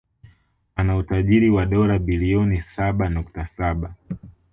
Ana utajiri wa dola bilioni saba nukta saba